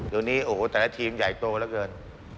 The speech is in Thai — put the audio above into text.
ตอนนี้โอ้โฮแต่ละทีมใหญ่โตแล้วเกิน